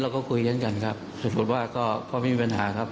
เราก็คุยเช่นกันครับถูกบอกว่าก็ไม่มีปัญหาครับ